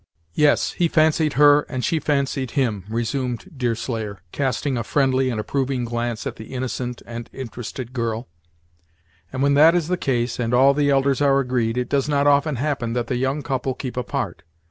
"Yes, he fancied her, and she fancied him," resumed Deerslayer, casting a friendly and approving glance at the innocent and interested girl; "and when that is the case, and all the elders are agreed, it does not often happen that the young couple keep apart.